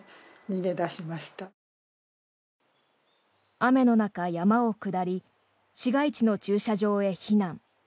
雨の中、山を下り市街地の駐車場へ避難。